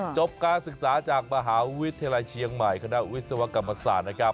จบการศึกษาจากมหาวิทยาลัยเชียงใหม่คณะวิศวกรรมศาสตร์นะครับ